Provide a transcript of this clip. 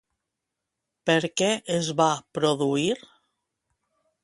Per què es va produir?